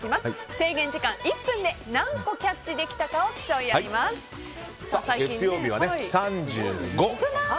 制限時間１分で何個キャッチできたかを月曜日は３５。